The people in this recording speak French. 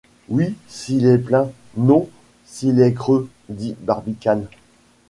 Oui, s’il est plein ; non, s’il est creux, dit Barbicane.